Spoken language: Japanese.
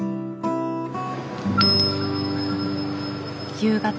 夕方。